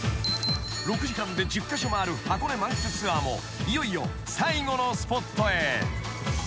［６時間で１０カ所回る箱根満喫ツアーもいよいよ最後のスポットへ］